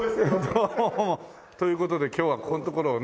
どうも。という事で今日はここんところをね。